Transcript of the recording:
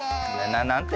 ななんて？